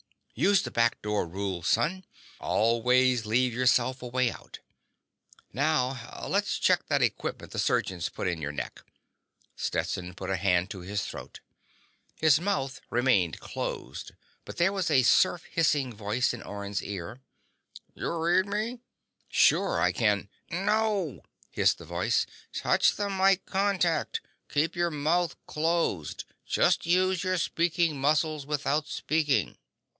"Use the back door rule, son. Always leave yourself a way out. Now ... let's check that equipment the surgeons put in your neck." Stetson put a hand to his throat. His mouth remained closed, but there was a surf hissing voice in Orne's ears: "You read me?" "Sure. I can—" "No!" hissed the voice. "Touch the mike contact. Keep your mouth closed. Just use your speaking muscles without speaking."